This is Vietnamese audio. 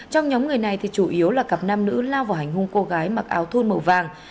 trong nhóm người này thì chủ yếu là cặp nam nữ lao vào hành hung cô gái mặc áo thun màu vàng